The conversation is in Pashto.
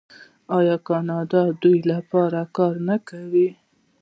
آیا کاناډا د دې لپاره کار نه کوي؟